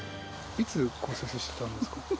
いつ骨折したんですか？